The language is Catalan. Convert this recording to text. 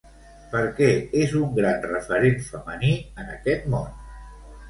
Per què és un gran referent femení en aquest món?